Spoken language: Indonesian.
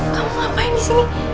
kamu ngapain disini